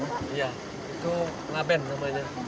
iya itu mabeng namanya